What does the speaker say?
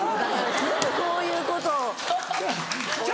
すぐこういうことを。